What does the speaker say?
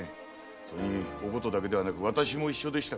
それにお琴だけではなく私も一緒でしたから。